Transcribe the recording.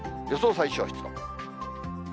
予想最小湿度。